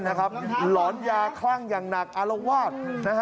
หลอนยาคลั่งอย่างหนักอารวาส